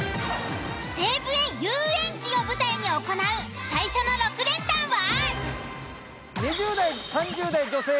西武園ゆうえんちを舞台に行う最初の６連単は！？